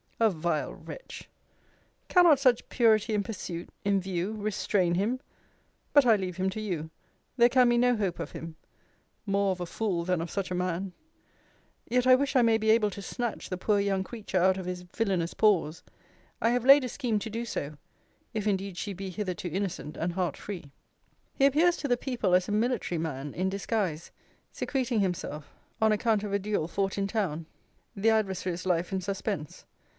A vile wretch! Cannot such purity in pursuit, in view, restrain him? but I leave him to you! There can be no hope of him. More of a fool, than of such a man. Yet I wish I may be able to snatch the poor young creature out of his villainous paws. I have laid a scheme to do so; if indeed she be hitherto innocent and heart free. He appears to the people as a military man, in disguise, secreting himself on account of a duel fought in town; the adversary's life in suspense.